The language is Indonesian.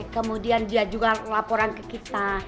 kemudian dia juga laporan ke kita